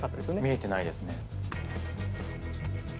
見えてないですね。